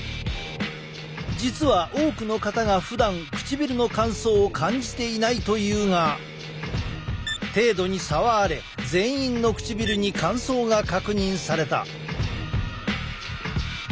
実は多くの方がふだん唇の乾燥を感じていないというが程度に差はあれ全員の唇に乾燥が確認された。